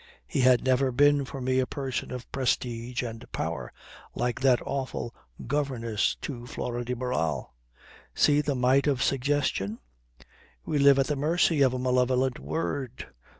He had never been for me a person of prestige and power, like that awful governess to Flora de Barral. See the might of suggestion? We live at the mercy of a malevolent word.